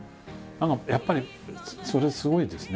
やっぱりそれすごいですね。